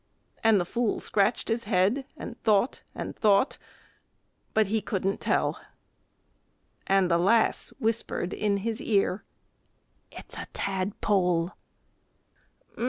And the fool scratched his head and thought and thought, but he couldn't tell. And the lass whispered in his ear: "It's a tadpole."